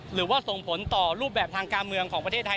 หรือว่าส่งผลต่อรูปแบบทางการเมืองของประเทศไทย